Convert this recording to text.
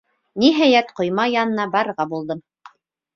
Ниһайәт, ҡойма янына барырға булдым.